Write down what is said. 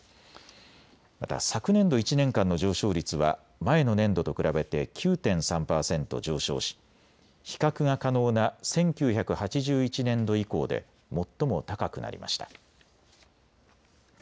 また昨年度１年間の上昇率は前の年度と比べて９．３％上昇し比較が可能な１９８１年度以降で最も高くなりました。